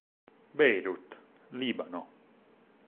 Beirut, Libano.